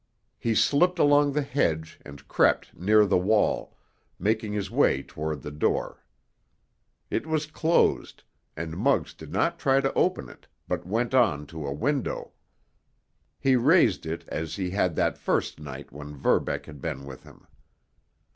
He slipped along the hedge and crept near the wall, making his way toward the door. It was closed, and Muggs did not try to open it, but went on to a window. He raised it as he had that first night when Verbeck had been with him.